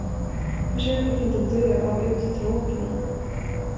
Försök att inte dö av uttråkning.